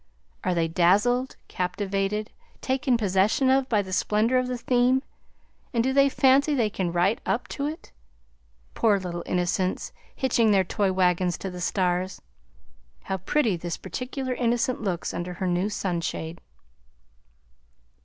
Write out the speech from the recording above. "Are they dazzled, captivated, taken possession of, by the splendor of the theme, and do they fancy they can write up to it? Poor little innocents, hitching their toy wagons to the stars! How pretty this particular innocent looks under her new sunshade!"